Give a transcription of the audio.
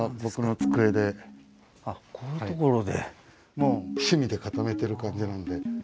もう趣味で固めてる感じなんで。